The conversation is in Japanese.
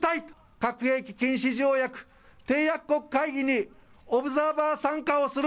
核兵器禁止条約締約国会議にオブザーバー参加をする。